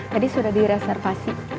tadi sudah direservasi